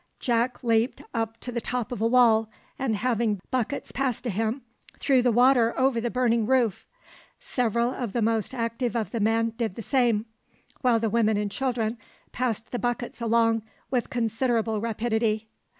Jack leaped up to the top of a wall, and having buckets passed to him, threw the water over the burning roof. Several of the most active of the men did the same, while the women and children passed the buckets along with considerable rapidity.